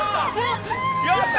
やった！